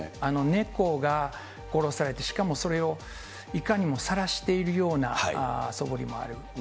猫が殺されて、しかもそれを、いかにもさらしているようなそぶりもある。